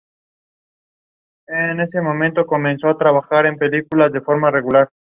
Fue discípulo de Miguel Blay.